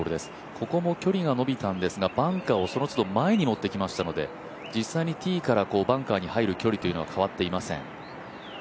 ここも距離がのびたんですが、バンカーを手前に持ってきましたので実際にティーからバンカーに入る距離というのは変わっていません。